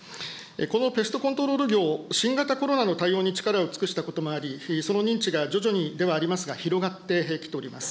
このペストコントロール業、新型コロナの対応に力を尽くしたこともあり、その認知が徐々にではありますが、広がってきております。